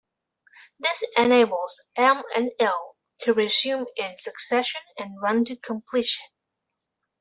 This enables M and L to resume in succession and run to completion.